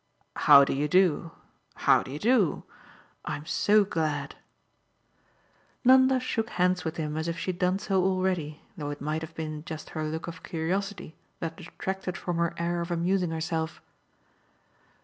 "How do you do? How do you do? I'm so glad!" Nanda shook hands with him as if she had done so already, though it might have been just her look of curiosity that detracted from her air of amusing herself.